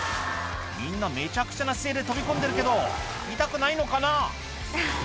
みんなめちゃくちゃな姿勢で飛び込んでるけど痛くないのかな？